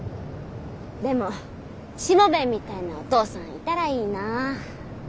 でもしもべえみたいなお父さんいたらいいなぁ。